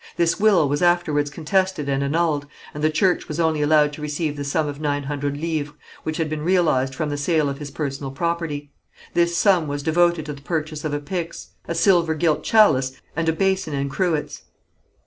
This will was afterwards contested and annulled, and the church was only allowed to receive the sum of nine hundred livres, which had been realized from the sale of his personal property. This sum was devoted to the purchase of a pyx, a silver gilt chalice, and a basin and cruets.